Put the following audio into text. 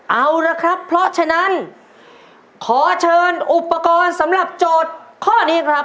เอาละครับเพราะฉะนั้นขอเชิญอุปกรณ์สำหรับโจทย์ข้อนี้ครับ